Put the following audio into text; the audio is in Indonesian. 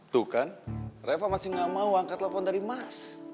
tuh kan reva masih gak mau angkat telepon dari mas